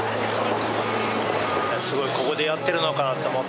すごいここでやってるのかと思って。